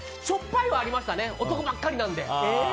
しょっぱいはありました男ばっかりなので。